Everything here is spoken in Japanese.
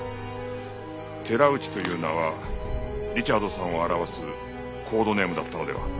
寺内という名はリチャードさんを表すコードネームだったのでは？